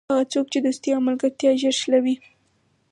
هغه څوک چې دوستي او ملګرتیا ژر شلوي.